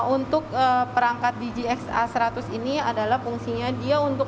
untuk perangkat dgx a seratus ini adalah fungsinya dia untuk